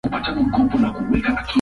Maishani mwangu sitakuacha.